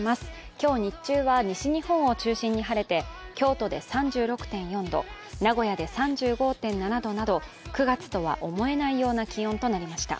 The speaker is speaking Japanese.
今日日中は西日本を中心に晴れて、京都で３６．４度、名古屋で３５．７度など、９月とは思えない気温となりました。